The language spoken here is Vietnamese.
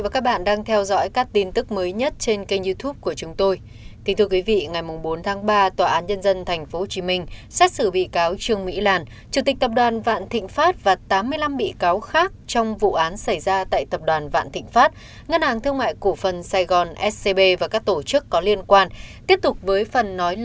các bạn hãy đăng ký kênh để ủng hộ kênh của chúng tôi nhé